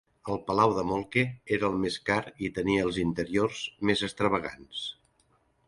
El Palau de Moltke era el més car i tenia els interiors més extravagants.